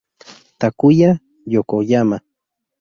Takuya Yokoyama